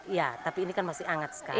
iya tapi ini kan masih hangat sekali